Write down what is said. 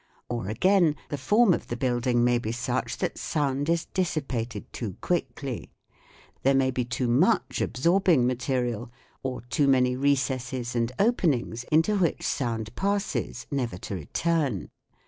Or again, the form of the building may be such that sound is dissipated too quickly : there may be too much absorbing material, or too many recesses and openings into which sound passes never to return.